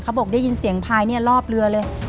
เขาบอกได้ยินเสียงพายรอบเรือเลย